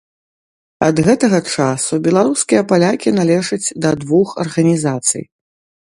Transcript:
Ад гэтага часу беларускія палякі належаць да двух арганізацый.